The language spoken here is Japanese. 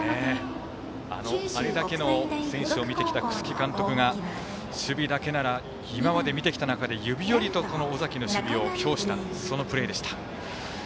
あれだけの選手を見てきた楠城監督が守備だけなら今まで見てきた中で指折りと尾崎の守備を評したそのプレーでした。